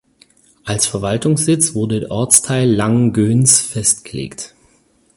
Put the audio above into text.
Als Verwaltungssitz wurde der Ortsteil Lang-Göns festgelegt.